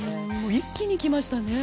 一気に来ましたね。